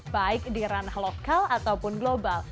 baik di ranah lokal ataupun global